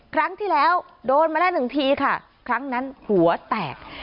ครั้งที่แล้วโดนมาแล้วหนึ่งทีค่ะครั้งนั้นหัวแตก